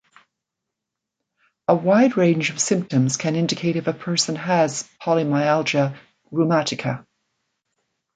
A wide range of symptoms can indicate if a person has polymyalgia rheumatica.